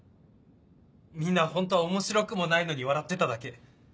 みんなホントは面白くもないのに笑ってただけ。